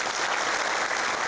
sudah seles itu